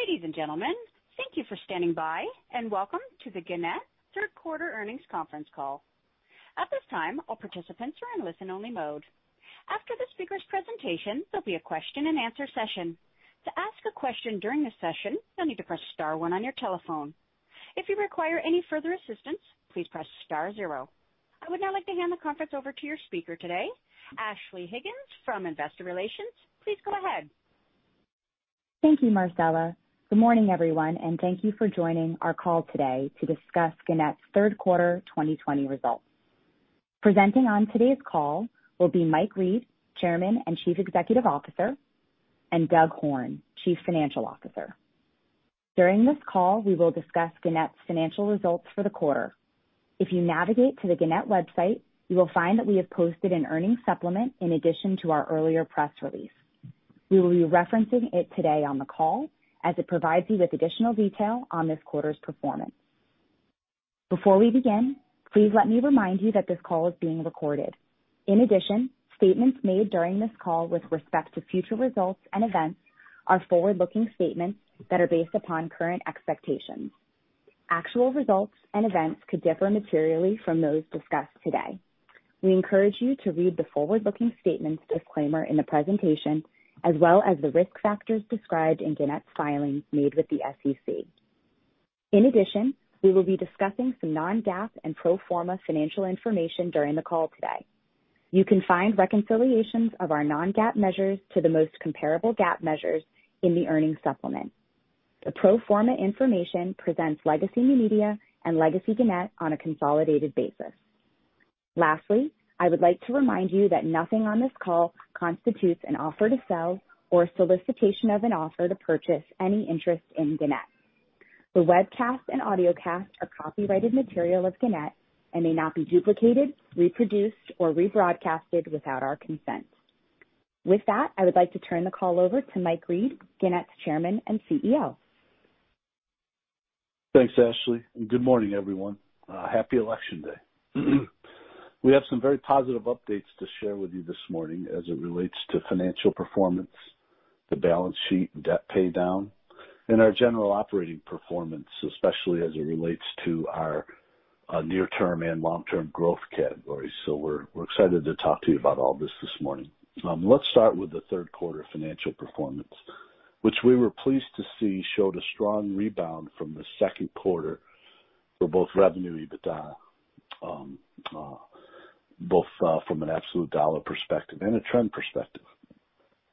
Ladies and gentlemen, thank you for standing by, and welcome to the Gannett third quarter earnings conference call. At this time, all participants are in listen-only mode. After the speaker's presentation, there will be a question and answer session. To ask a question during the session, you will need to press star one on your telephone. If you require any further assistance, please press star zero. I would now like to hand the conference over to your speaker today, Ashley Higgins from Investor Relations. Please go ahead. Thank you, Marcella. Good morning, everyone, and thank you for joining our call today to discuss Gannett's third quarter 2020 results. Presenting on today's call will be Mike Reed, Chairman and Chief Executive Officer, and Doug Horne, Chief Financial Officer. During this call, we will discuss Gannett's financial results for the quarter. If you navigate to the Gannett website, you will find that we have posted an earnings supplement in addition to our earlier press release. We will be referencing it today on the call as it provides you with additional detail on this quarter's performance. Before we begin, please let me remind you that this call is being recorded. In addition, statements made during this call with respect to future results and events are forward-looking statements that are based upon current expectations. Actual results and events could differ materially from those discussed today. We encourage you to read the forward-looking statements disclaimer in the presentation, as well as the risk factors described in Gannett's filings made with the SEC. In addition, we will be discussing some non-GAAP and pro forma financial information during the call today. You can find reconciliations of our non-GAAP measures to the most comparable GAAP measures in the earnings supplement. The pro forma information presents Legacy Media and Legacy Gannett on a consolidated basis. Lastly, I would like to remind you that nothing on this call constitutes an offer to sell or solicitation of an offer to purchase any interest in Gannett. The webcast and audiocast are copyrighted material of Gannett and may not be duplicated, reproduced, or rebroadcasted without our consent. With that, I would like to turn the call over to Mike Reed, Gannett's Chairman and CEO. Thanks, Ashley. Good morning, everyone. Happy Election Day. We have some very positive updates to share with you this morning as it relates to financial performance, the balance sheet, debt paydown, and our general operating performance, especially as it relates to our near-term and long-term growth categories. We're excited to talk to you about all this this morning. Let's start with the third quarter financial performance, which we were pleased to see showed a strong rebound from the second quarter for both revenue, EBITDA, both from an absolute dollar perspective and a trend perspective.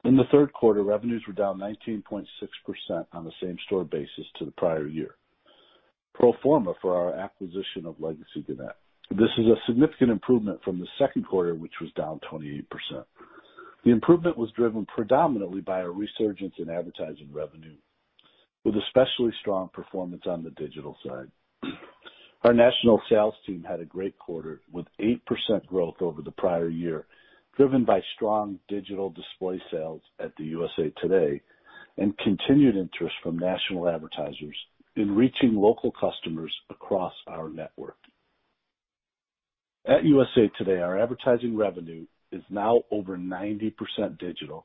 In the third quarter, revenues were down 19.6% on the same store basis to the prior year, pro forma for our acquisition of Legacy Gannett. This is a significant improvement from the second quarter, which was down 28%. The improvement was driven predominantly by a resurgence in advertising revenue, with especially strong performance on the digital side. Our national sales team had a great quarter, with 8% growth over the prior year, driven by strong digital display sales at USA TODAY and continued interest from national advertisers in reaching local customers across our network. At USA TODAY, our advertising revenue is now over 90% digital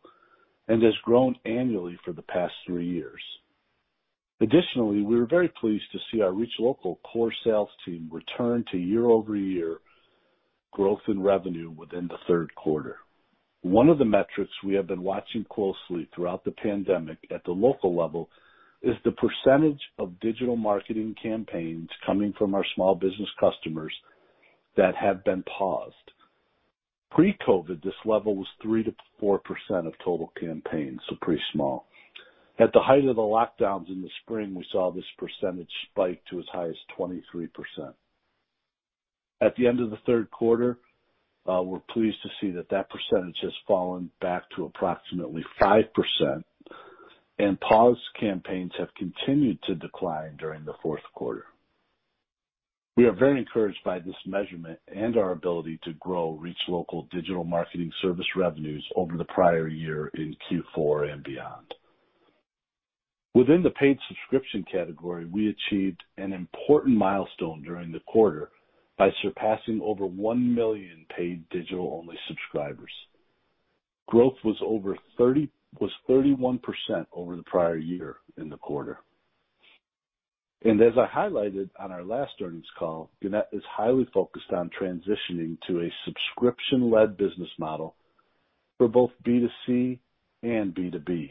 and has grown annually for the past three years. Additionally, we were very pleased to see our ReachLocal core sales team return to year-over-year growth in revenue within the third quarter. One of the metrics we have been watching closely throughout the pandemic at the local level is the percentage of digital marketing campaigns coming from our small business customers that have been paused. Pre-COVID, this level was 3%-4% of total campaigns, so pretty small. At the height of the lockdowns in the spring, we saw this percentage spike to as high as 23%. At the end of the third quarter, we're pleased to see that that percentage has fallen back to approximately 5%, and paused campaigns have continued to decline during the fourth quarter. We are very encouraged by this measurement and our ability to grow ReachLocal digital marketing service revenues over the prior year in Q4 and beyond. Within the paid subscription category, we achieved an important milestone during the quarter by surpassing over 1 million paid digital-only subscribers. Growth was 31% over the prior year in the quarter. As I highlighted on our last earnings call, Gannett is highly focused on transitioning to a subscription-led business model for both B2C and B2B,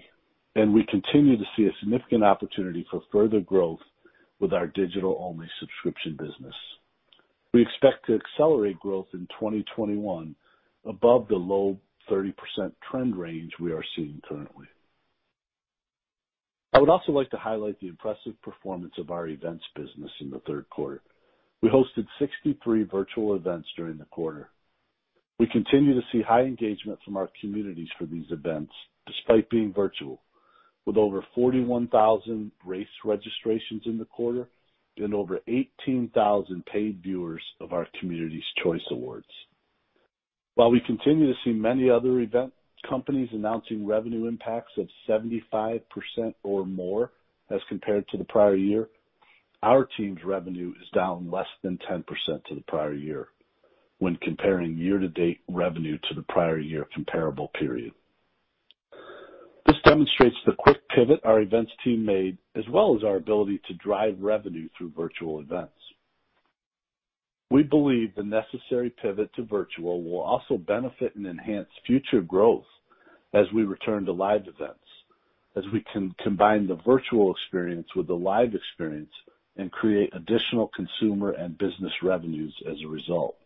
and we continue to see a significant opportunity for further growth with our digital-only subscription business. We expect to accelerate growth in 2021 above the low 30% trend range we are seeing currently. I would also like to highlight the impressive performance of our events business in the third quarter. We hosted 63 virtual events during the quarter. We continue to see high engagement from our communities for these events, despite being virtual, with over 41,000 race registrations in the quarter and over 18,000 paid viewers of our Community's Choice Awards. While we continue to see many other event companies announcing revenue impacts of 75% or more as compared to the prior year. Our team's revenue is down less than 10% to the prior year when comparing year-to-date revenue to the prior year comparable period. This demonstrates the quick pivot our events team made as well as our ability to drive revenue through virtual events. We believe the necessary pivot to virtual will also benefit and enhance future growth as we return to live events, as we can combine the virtual experience with the live experience and create additional consumer and business revenues as a result.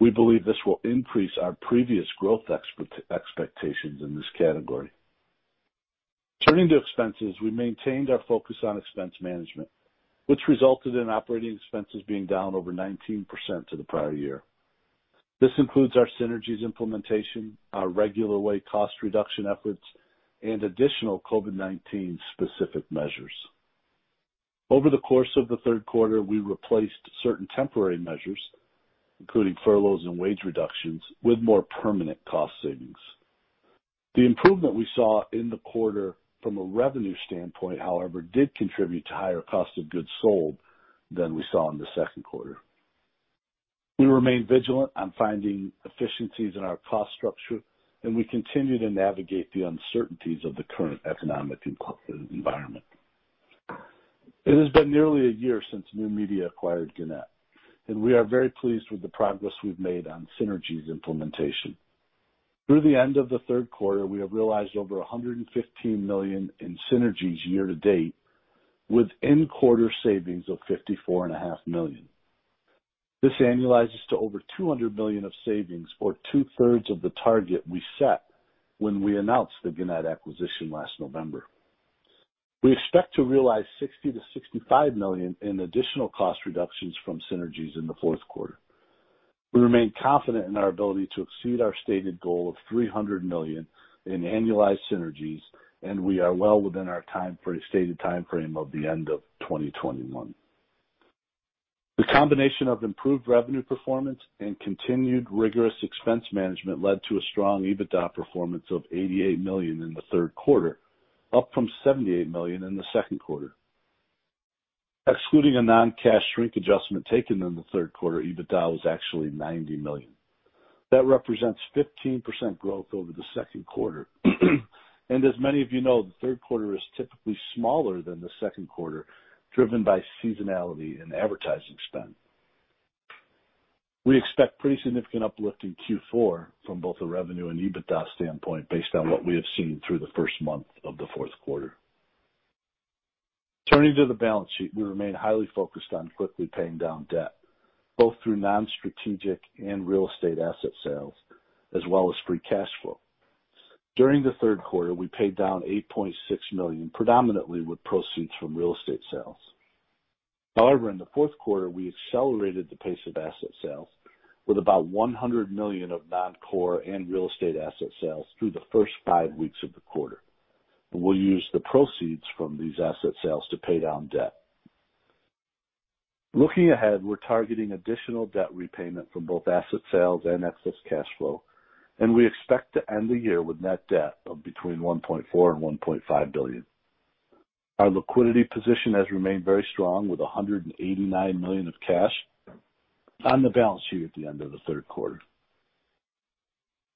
We believe this will increase our previous growth expectations in this category. Turning to expenses, we maintained our focus on expense management, which resulted in operating expenses being down over 19% to the prior year. This includes our synergies implementation, our regular way cost reduction efforts, and additional COVID-19 specific measures. Over the course of the third quarter, we replaced certain temporary measures, including furloughs and wage reductions, with more permanent cost savings. The improvement we saw in the quarter from a revenue standpoint, however, did contribute to higher cost of goods sold than we saw in the second quarter. We remain vigilant on finding efficiencies in our cost structure, and we continue to navigate the uncertainties of the current economic environment. It has been nearly a year since New Media acquired Gannett, and we are very pleased with the progress we've made on synergies implementation. Through the end of the third quarter, we have realized over $115 million in synergies year to date, with in-quarter savings of $54.5 million. This annualizes to over $200 million of savings or two-thirds of the target we set when we announced the Gannett acquisition last November. We expect to realize $60 million-$65 million in additional cost reductions from synergies in the fourth quarter. We remain confident in our ability to exceed our stated goal of $300 million in annualized synergies, and we are well within our stated timeframe of the end of 2021. The combination of improved revenue performance and continued rigorous expense management led to a strong EBITDA performance of $88 million in the third quarter, up from $78 million in the second quarter. Excluding a non-cash shrink adjustment taken in the third quarter, EBITDA was actually $90 million. That represents 15% growth over the second quarter. As many of you know, the third quarter is typically smaller than the second quarter, driven by seasonality and advertising spend. We expect pretty significant uplift in Q4 from both a revenue and EBITDA standpoint based on what we have seen through the first month of the fourth quarter. Turning to the balance sheet, we remain highly focused on quickly paying down debt, both through non-strategic and real estate asset sales, as well as free cash flow. During the third quarter, we paid down $8.6 million, predominantly with proceeds from real estate sales. However, in the fourth quarter, we accelerated the pace of asset sales with about $100 million of non-core and real estate asset sales through the first five weeks of the quarter. We'll use the proceeds from these asset sales to pay down debt. Looking ahead, we're targeting additional debt repayment from both asset sales and excess cash flow, and we expect to end the year with net debt of between $1.4 billion and $1.5 billion. Our liquidity position has remained very strong with $189 million of cash on the balance sheet at the end of the third quarter.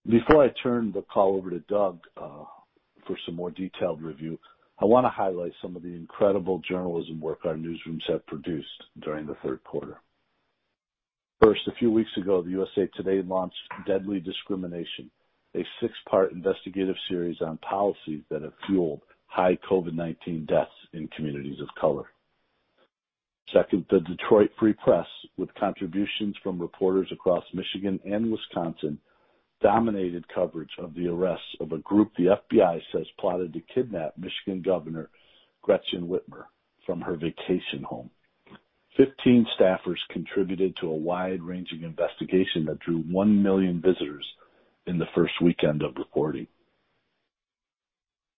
Before I turn the call over to Doug for some more detailed review, I want to highlight some of the incredible journalism work our newsrooms have produced during the third quarter. First, a few weeks ago, the USA TODAY launched Deadly Discrimination, a six-part investigative series on policies that have fueled high COVID-19 deaths in communities of color. Second, the Detroit Free Press, with contributions from reporters across Michigan and Wisconsin, dominated coverage of the arrest of a group the FBI says plotted to kidnap Michigan Governor Gretchen Whitmer from her vacation home. 15 staffers contributed to a wide-ranging investigation that drew 1 million visitors in the first weekend of reporting.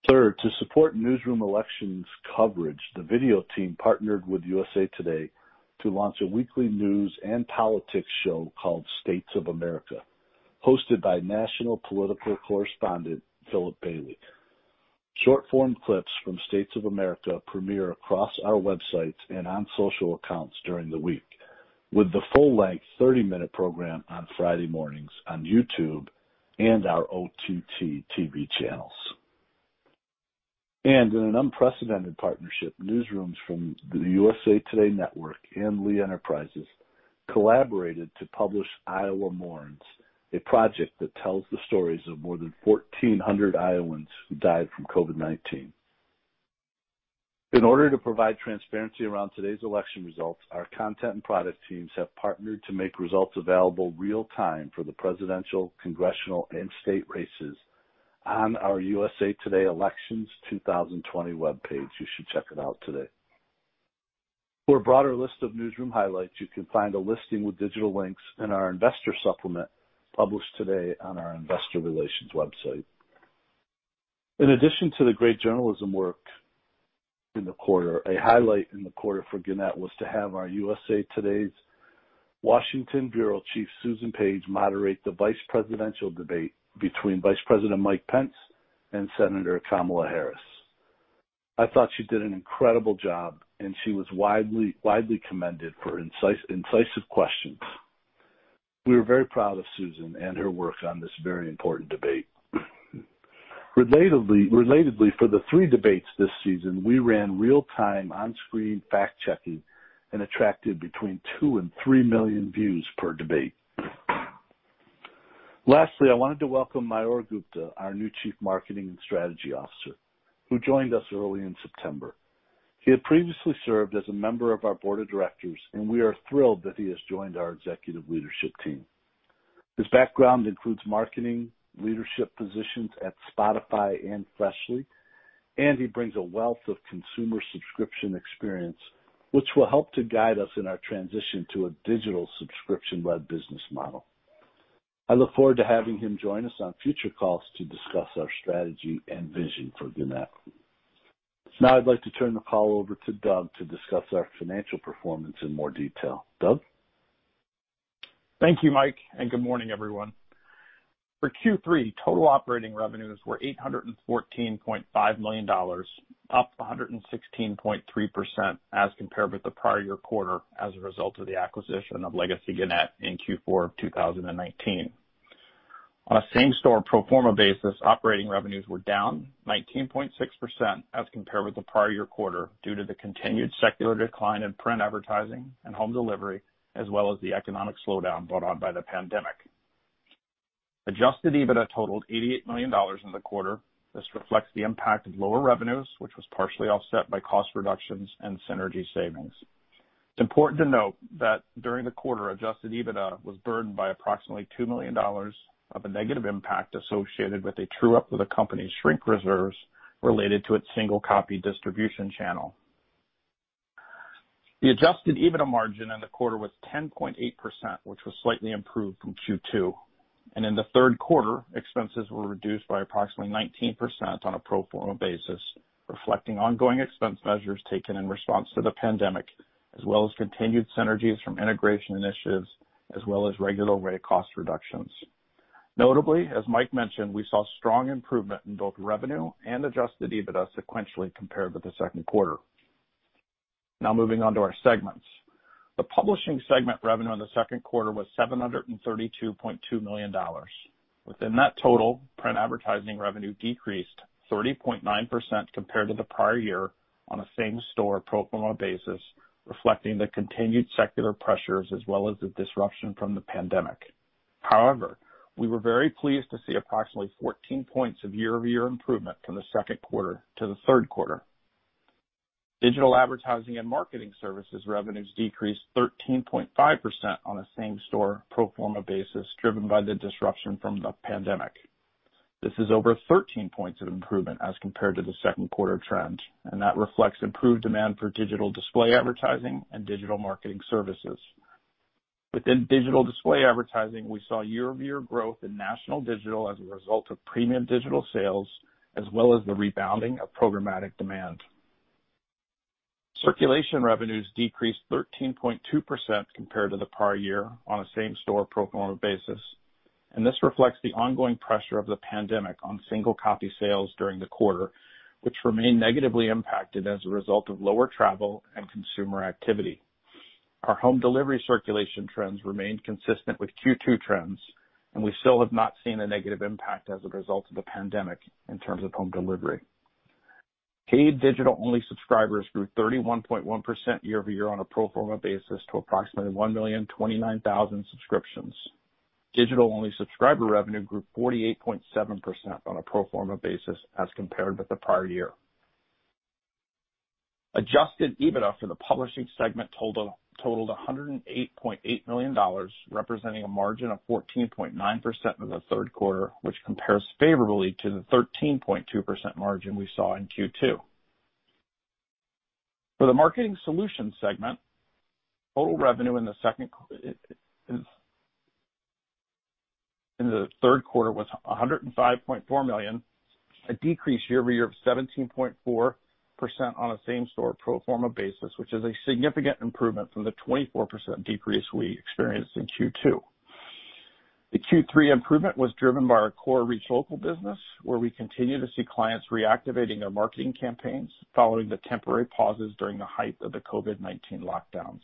Third, to support newsroom elections coverage, the video team partnered with USA TODAY to launch a weekly news and politics show called States of America, hosted by national political correspondent Phillip Bailey. Short-form clips from States of America premiere across our websites and on social accounts during the week, with the full-length 30-minute program on Friday mornings on YouTube and our OTT TV channels. In an unprecedented partnership, newsrooms from the USA TODAY Network and Lee Enterprises collaborated to publish Iowa Mourns, a project that tells the stories of more than 1,400 Iowans who died from COVID-19. In order to provide transparency around today's election results, our content and product teams have partnered to make results available real time for the presidential, congressional, and state races on our USA TODAY Elections 2020 webpage. You should check it out today. For a broader list of newsroom highlights, you can find a listing with digital links in our investor supplement published today on our investor relations website. In addition to the great journalism work in the quarter, a highlight in the quarter for Gannett was to have our USA TODAY's Washington Bureau Chief Susan Page moderate the vice presidential debate between Vice President Mike Pence and Senator Kamala Harris. I thought she did an incredible job, and she was widely commended for incisive questions. We were very proud of Susan and her work on this very important debate. Relatedly, for the three debates this season, we ran real-time on-screen fact-checking and attracted between two and three million views per debate. Lastly, I wanted to welcome Mayur Gupta, our new chief marketing and strategy officer, who joined us early in September. He had previously served as a member of our board of directors, and we are thrilled that he has joined our executive leadership team. His background includes marketing leadership positions at Spotify and Freshly, and he brings a wealth of consumer subscription experience, which will help to guide us in our transition to a digital subscription-led business model. I look forward to having him join us on future calls to discuss our strategy and vision for Gannett. Now I'd like to turn the call over to Doug to discuss our financial performance in more detail. Doug? Thank you, Mike, and good morning, everyone. For Q3, total operating revenues were $814.5 million, up 116.3% as compared with the prior year quarter as a result of the acquisition of legacy Gannett in Q4 of 2019. On a same-store pro forma basis, operating revenues were down 19.6% as compared with the prior year quarter due to the continued secular decline in print advertising and home delivery, as well as the economic slowdown brought on by the pandemic. Adjusted EBITDA totaled $88 million in the quarter. This reflects the impact of lower revenues, which was partially offset by cost reductions and synergy savings. It's important to note that during the quarter, Adjusted EBITDA was burdened by approximately $2 million of a negative impact associated with a true-up of the company's shrink reserves related to its single-copy distribution channel. The adjusted EBITDA margin in the quarter was 10.8%, which was slightly improved from Q2. In the third quarter, expenses were reduced by approximately 19% on a pro forma basis, reflecting ongoing expense measures taken in response to the pandemic, as well as continued synergies from integration initiatives, as well as regular way cost reductions. Notably, as Mike mentioned, we saw strong improvement in both revenue and adjusted EBITDA sequentially compared with the second quarter. Now moving on to our segments. The publishing segment revenue in the second quarter was $732.2 million. Within that total, print advertising revenue decreased 30.9% compared to the prior year on a same-store pro forma basis, reflecting the continued secular pressures as well as the disruption from the pandemic. However, we were very pleased to see approximately 14 points of year-over-year improvement from the second quarter to the third quarter. Digital advertising and marketing services revenues decreased 13.5% on a same-store pro forma basis, driven by the disruption from the pandemic. This is over 13 points of improvement as compared to the second quarter trend, and that reflects improved demand for digital display advertising and digital marketing services. Within digital display advertising, we saw year-over-year growth in national digital as a result of premium digital sales, as well as the rebounding of programmatic demand. Circulation revenues decreased 13.2% compared to the prior year on a same-store pro forma basis, and this reflects the ongoing pressure of the pandemic on single-copy sales during the quarter, which remain negatively impacted as a result of lower travel and consumer activity. Our home delivery circulation trends remain consistent with Q2 trends, and we still have not seen a negative impact as a result of the pandemic in terms of home delivery. Paid digital-only subscribers grew 31.1% year-over-year on a pro forma basis to approximately 1,029,000 subscriptions. Digital-only subscriber revenue grew 48.7% on a pro forma basis as compared with the prior year. Adjusted EBITDA for the publishing segment totaled $108.8 million, representing a margin of 14.9% in the third quarter, which compares favorably to the 13.2% margin we saw in Q2. For the marketing solutions segment, total revenue in the third quarter was $105.4 million, a decrease year-over-year of 17.4% on a same-store pro forma basis, which is a significant improvement from the 24% decrease we experienced in Q2. The Q3 improvement was driven by our core ReachLocal business, where we continue to see clients reactivating their marketing campaigns following the temporary pauses during the height of the COVID-19 lockdowns.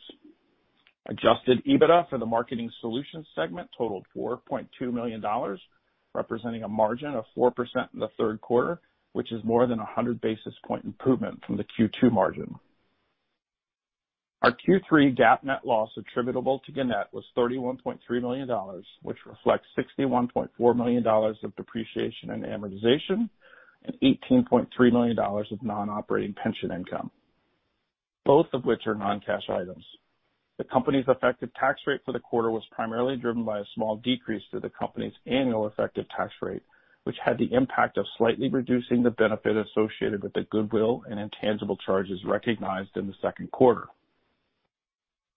Adjusted EBITDA for the marketing solutions segment totaled $4.2 million, representing a margin of 4% in the third quarter, which is more than 100-basis point improvement from the Q2 margin. Our Q3 GAAP net loss attributable to Gannett was $31.3 million, which reflects $61.4 million of depreciation and amortization and $18.3 million of non-operating pension income, both of which are non-cash items. The company's effective tax rate for the quarter was primarily driven by a small decrease to the company's annual effective tax rate, which had the impact of slightly reducing the benefit associated with the goodwill and intangible charges recognized in the second quarter.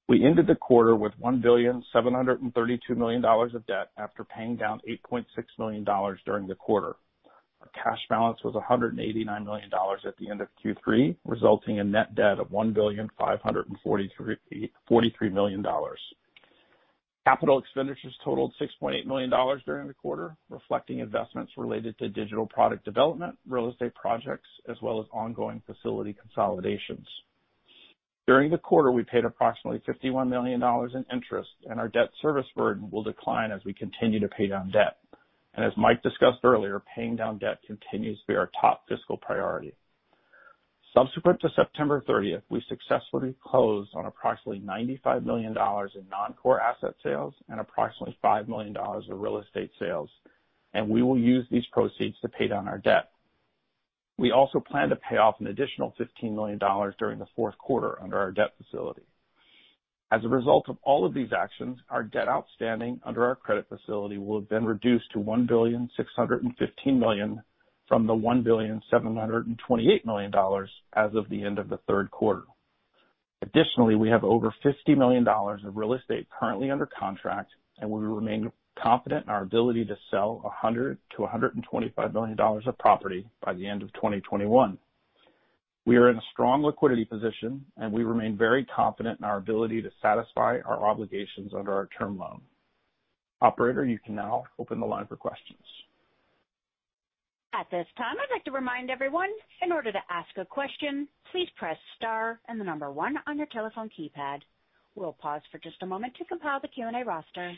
We ended the quarter with $1,732,000,000 of debt after paying down $8.6 million during the quarter. Our cash balance was $189 million at the end of Q3, resulting in net debt of $1,543,043 million. Capital expenditures totaled $6.8 million during the quarter, reflecting investments related to digital product development, real estate projects, as well as ongoing facility consolidations. Our debt service burden will decline as we continue to pay down debt. As Mike discussed earlier, paying down debt continues to be our top fiscal priority. Subsequent to September 30th, we successfully closed on approximately $95 million in non-core asset sales and approximately $5 million of real estate sales. We will use these proceeds to pay down our debt. We also plan to pay off an additional $15 million during the fourth quarter under our debt facility. As a result of all of these actions, our debt outstanding under our credit facility will have been reduced to $1,615,000,000 from the $1,728,000,000 as of the end of the third quarter. Additionally, we have over $50 million of real estate currently under contract, and we remain confident in our ability to sell $100 million-$125 million of property by the end of 2021. We are in a strong liquidity position, and we remain very confident in our ability to satisfy our obligations under our term loan. Operator, you can now open the line for questions. At this time I'd like to remind everyone, in order to ask a question please press star and the number one on your telephone keypad. We'll pause for just a moment to compile the Q&A roster.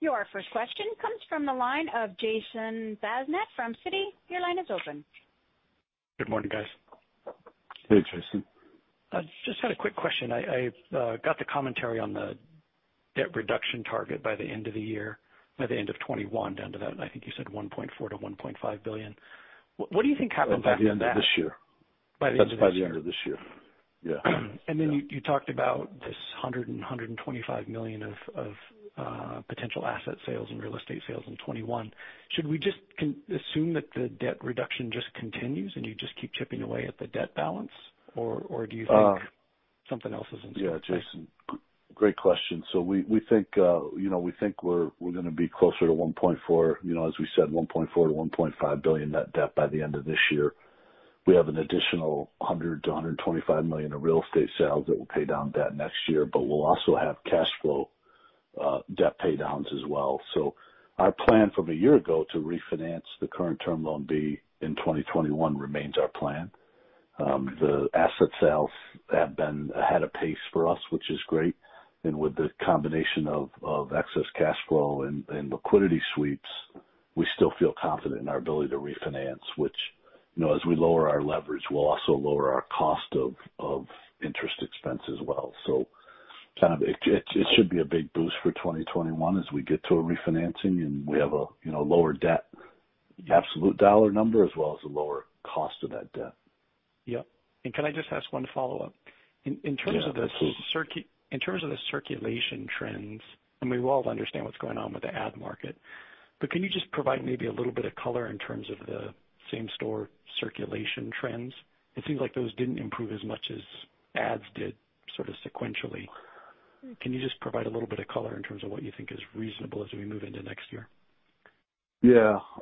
Your first question comes from the line of Jason Bazinet from Citi. Your line is open. Good morning, guys. Hey, Jason. I just had a quick question. I got the commentary on the debt reduction target by the end of the year, by the end of 2021, down to that, I think you said $1.4 billion-$1.5 billion. What do you think happens after that? By the end of this year. By the end of this year. That's by the end of this year. Yeah. You talked about this $100 million-$125 million of potential asset sales and real estate sales in 2021. Should we just assume that the debt reduction just continues and you just keep chipping away at the debt balance, or do you think something else is in place? Yeah, Jason, great question. We think we're going to be closer to, as we said, $1.4 billion-$1.5 billion net debt by the end of this year. We have an additional $100 million-$125 million of real estate sales that will pay down debt next year, but we'll also have cash flow debt pay downs as well. Our plan from a year ago to refinance the current Term Loan B in 2021 remains our plan. The asset sales have been ahead of pace for us, which is great, and with the combination of excess cash flow and liquidity sweeps, we still feel confident in our ability to refinance, which as we lower our leverage, we'll also lower our cost of interest expense as well. It should be a big boost for 2021 as we get to a refinancing and we have a lower debt absolute dollar number as well as a lower cost of that debt. Yep. Can I just ask one follow-up? Yeah, absolutely. In terms of the circulation trends, and we all understand what's going on with the ad market, but can you just provide maybe a little bit of color in terms of the same-store circulation trends? It seems like those didn't improve as much as ads did sequentially. Can you just provide a little bit of color in terms of what you think is reasonable as we move into next year?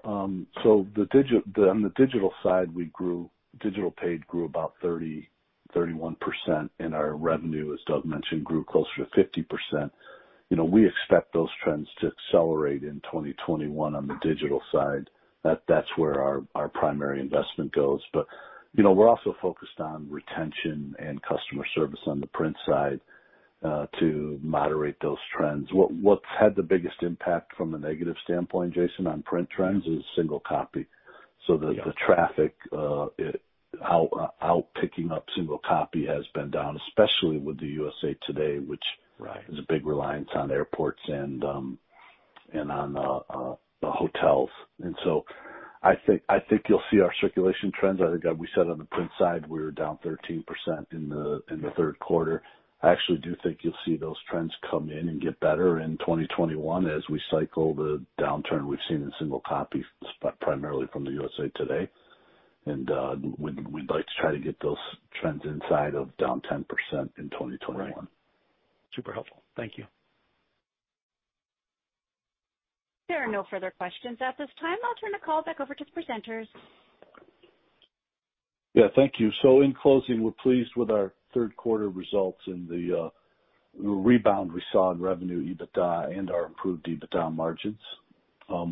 On the digital side, digital paid grew about 30%, 31%, and our revenue, as Doug mentioned, grew closer to 50%. We expect those trends to accelerate in 2021 on the digital side. That's where our primary investment goes. We're also focused on retention and customer service on the print side to moderate those trends. What's had the biggest impact from the negative standpoint, Jason, on print trends is single copy. Yeah. The traffic out picking up single copy has been down, especially with the USA TODAY. Right. Which has a big reliance on airports and on the hotels. I think you'll see our circulation trends. I think we said on the print side, we were down 13% in the third quarter. I actually do think you'll see those trends come in and get better in 2021 as we cycle the downturn we've seen in single copy, primarily from the USA TODAY. We'd like to try to get those trends inside of down 10% in 2021. Right. Super helpful. Thank you. There are no further questions at this time. I'll turn the call back over to the presenters. Thank you. In closing, we're pleased with our third quarter results and the rebound we saw in revenue EBITDA and our improved EBITDA margins.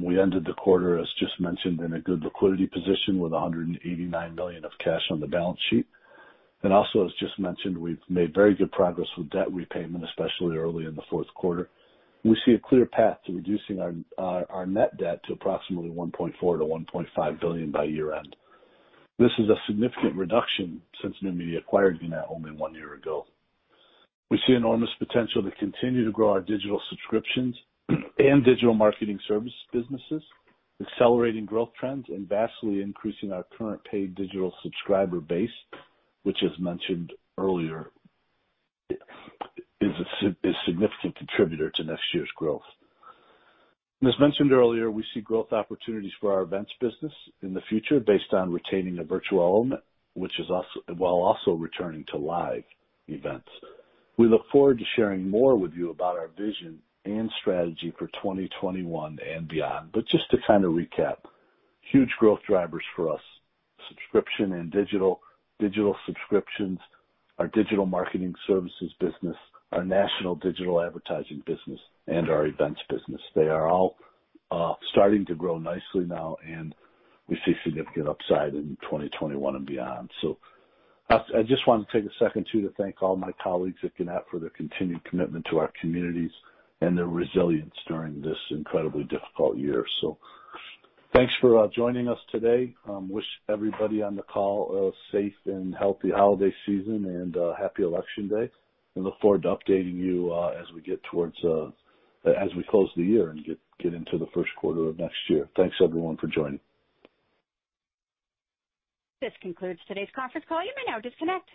We ended the quarter, as just mentioned, in a good liquidity position with $189 million of cash on the balance sheet. Also, as just mentioned, we've made very good progress with debt repayment, especially early in the fourth quarter. We see a clear path to reducing our net debt to approximately $1.4 billion-$1.5 billion by year-end. This is a significant reduction since New Media acquired Gannett only one year ago. We see enormous potential to continue to grow our digital subscriptions and digital marketing service businesses, accelerating growth trends, and vastly increasing our current paid digital subscriber base, which, as mentioned earlier, is a significant contributor to next year's growth. As mentioned earlier, we see growth opportunities for our events business in the future based on retaining the virtual element while also returning to live events. We look forward to sharing more with you about our vision and strategy for 2021 and beyond. Just to recap, huge growth drivers for us, subscription and digital subscriptions, our digital marketing services business, our national digital advertising business, and our events business. They are all starting to grow nicely now, and we see significant upside in 2021 and beyond. I just want to take a second, too, to thank all my colleagues at Gannett for their continued commitment to our communities and their resilience during this incredibly difficult year. Thanks for joining us today. Wish everybody on the call a safe and healthy holiday season and a happy election day, and look forward to updating you as we close the year and get into the first quarter of next year. Thanks everyone for joining. This concludes today's conference call. You may now disconnect.